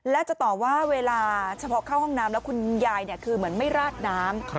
และจะตอบว่าเวลาเฉพาะเข้าห้องน้ำแล้วคุณยายคือเหมือนไม่ราดน้ำ